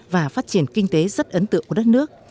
và phát triển kinh tế rất ấn tượng của đất nước